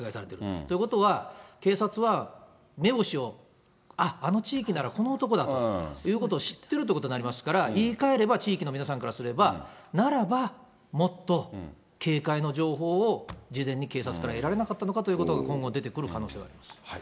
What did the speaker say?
ということは、警察は目星を、あっ、あの地域ならこの男だということを知ってるということになりますから、言い換えれば、地域の皆さんからすれば、ならば、もっと警戒の情報を事前に警察から得られなかったのかということも今後、出てくる可能性があります。